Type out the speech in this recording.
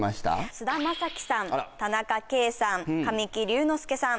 菅田将暉さん田中圭さん神木隆之介さん